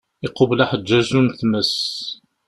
Iqubel aḥeǧǧaju n tmes.